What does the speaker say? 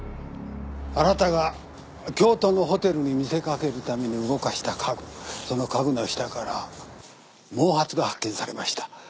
あなたが京都のホテルに見せ掛けるために動かした家具その家具の下から毛髪が発見されました。